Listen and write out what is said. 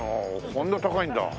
こんな高いんだ。